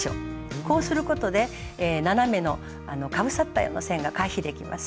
こうすることで斜めのかぶさったような線が回避できます。